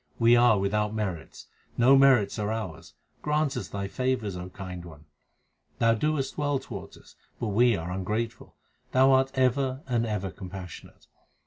We are without merits ; no merits are ours ; grant us Thy favours, O Kind One. Thou doest well towards us, but we are ungrateful ; Thou art ever and ever compassionate.